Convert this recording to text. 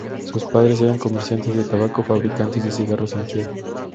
Sus padres eran comerciantes de tabaco o fabricantes de cigarros en Kiev.